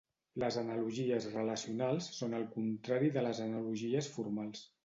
Les analogies relacionals són el contrari de les analogies formals.